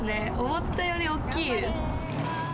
思ったより大きいです。